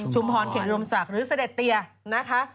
ชุมฮรเขตรมศักดิ์หรือเสด็จเตียนะคะ